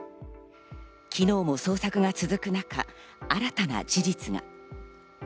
昨日も捜索が続く中、新たな事実が。